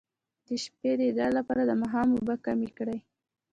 د شپې د ادرار لپاره د ماښام اوبه کمې کړئ